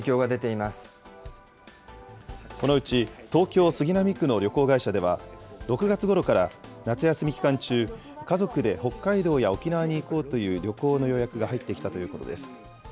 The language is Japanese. このうち、東京・杉並区の旅行会社では、６月ごろから夏休み期間中、家族で北海道や沖縄に行こうという旅行の予約が入ってきたということです。